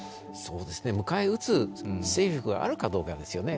迎え撃つ勢力があるかということですよね。